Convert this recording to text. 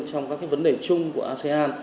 trong các vấn đề chung của asean